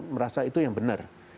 merasa itu yang benar